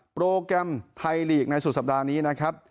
โปรแกรมไทยลีกในสุดสัปดาห์นี้นะครับ